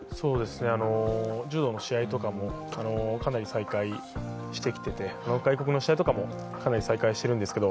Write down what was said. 柔道の試合とかも、かなり再開してきてて外国の試合とかもかなり再開しているんですけど